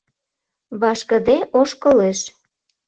Вашкыде ошкылеш.